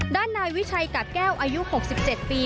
ด้านนายวิชัยกาดแก้วอายุ๖๗ปี